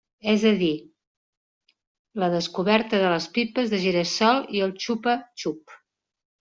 És a dir la descoberta de les pipes de gira-sol i el xupa-xup.